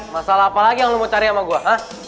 masalah apa lagi yang lo mau cari sama gue